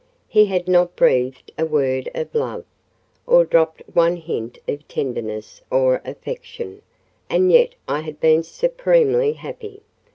He had not breathed a word of love, or dropped one hint of tenderness or affection, and yet I had been supremely happy.